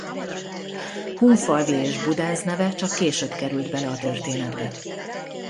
Hunfalvy és Budenz neve csak később került bele a történetbe.